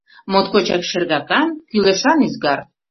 — Моткочак шергакан, кӱлешан ӱзгар.